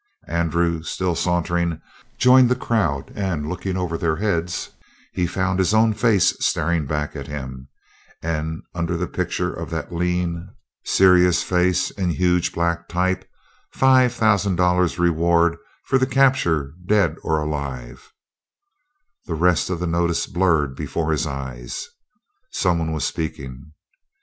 Andrew, still sauntering, joined the crowd, and looking over their heads, he found his own face staring back at him; and, under the picture of that lean, serious face, in huge black type, five thousand dollars reward for the capture, dead or alive The rest of the notice blurred before his eyes. Some one was speaking.